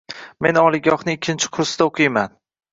Men oliygohning ikkinchi kursida o’qiyman.